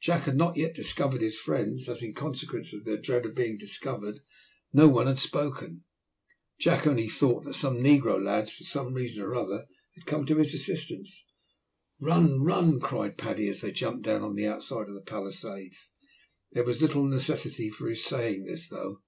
Jack had not yet discovered his friends, as in consequence of their dread of being discovered no one had spoken. Jack only thought that some negro lads, for some reason or other, had come to his assistance. "Run, run!" cried Paddy, as they jumped down on the outside of the palisades. There was little necessity for his saying this though.